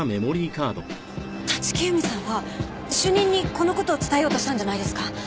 立木由美さんは主任にこの事を伝えようとしたんじゃないですか？